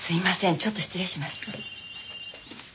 ちょっと失礼します。